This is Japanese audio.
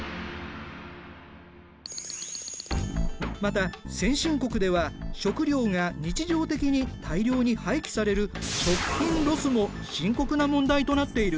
また先進国では食料が日常的に大量に廃棄される食品ロスも深刻な問題となっている。